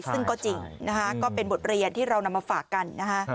ซึ่งก็จริงนะคะก็เป็นบทเรียนที่เรานำมาฝากกันนะฮะ